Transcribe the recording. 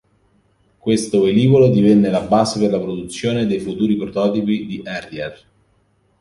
Questo velivolo divenne la base per la produzione dei futuri prototipi di Harrier.